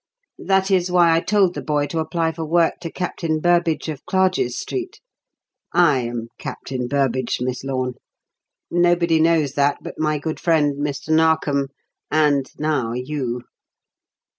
That is why I told the boy to apply for work to 'Captain Burbage of Clarges Street.' I am Captain Burbage, Miss Lorne. Nobody knows that but my good friend Mr. Narkom and, now, you."